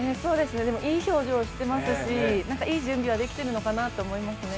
いい表情をしていますし、いい準備はできているのかなと思いますね。